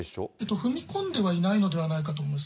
踏み込んではいないのではないかと思います。